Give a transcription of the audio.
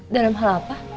dalam hal apa